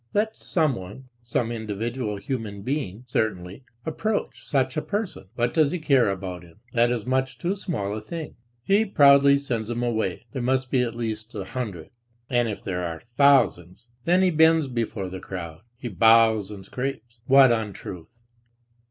Let someone, some individual human being, certainly, approach such a person, what does he care about him; that is much too small a thing; he proudly sends him away; there must be at least a hundred. And if there are thousands, then he bends before the crowd, he bows and scrapes; what untruth!